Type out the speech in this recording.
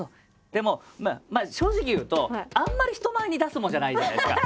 でもまあ正直言うとあんまり人前に出すもんじゃないじゃないですか。